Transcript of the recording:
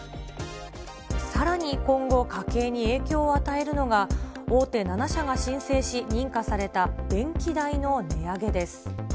さらに今後家計に影響を与えるのが、大手７社が申請し、認可された電気代の値上げです。